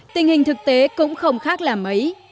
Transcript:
tình hình thực tế cũng không khác là mấy